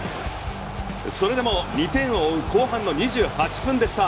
それでも２点を追う後半の２８分でした。